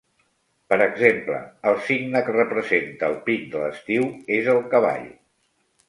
Per exemple, el signe que representa el pic de l'estiu és el cavall.